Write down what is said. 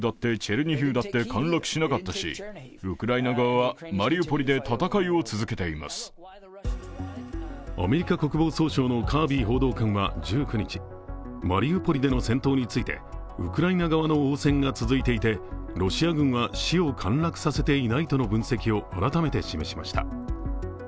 そのマリウポリについてアメリカ国防総省はアメリカ国防総省のカービー報道官は１９日マリウポリでの戦闘について、ウクライナ側の応戦が続いていてロシア軍は市を陥落させていないとの分析を改めて示しました。